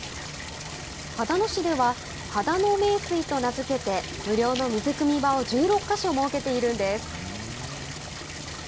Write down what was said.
秦野市では秦野名水と名付けて無料の水くみ場を１６か所設けているんです。